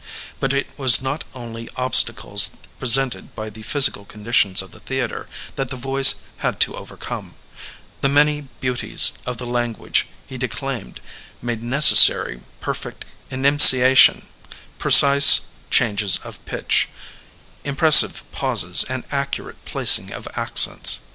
But it was not only obstacles presented by the physical conditions of the theatre that the voice had to overcome; the many beauties of the language he declaimed made necessary per fect enimciation, precise changes of pitch, impres sive pauses and accurate placing of accents.